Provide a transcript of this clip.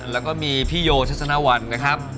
แล้วก็มีพี่โยทัศนวัลนะครับ